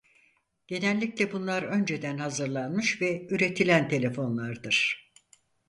Genellikle bunlar önceden hazırlanmış ve üretilen telefonlardır.